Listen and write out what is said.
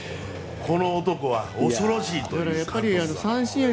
この男は恐ろしいと。